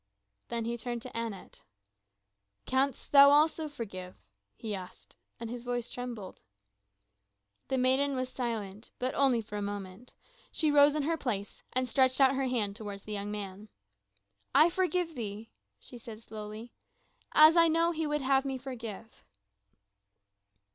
Then he turned to Anat. "Canst thou also forgive?" he asked, and his voice trembled. The maiden was silent, but only for a moment. She rose in her place, and stretched out her hand toward the young man. "I forgive thee," she said slowly, "as I know he would have me forgive."